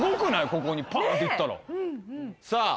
ここにパーンっていったらさあ